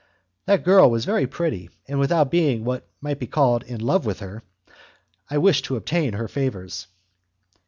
That girl was very pretty, and, without being what might be called in love with her, I wished to obtain her favours.